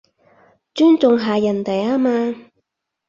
尊重下人哋吖嘛